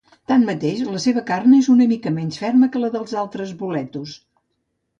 Tanmateix, la seva carn és una mica menys ferma que la dels altres boletus.